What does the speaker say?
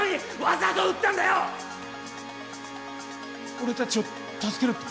俺たちを助けるって。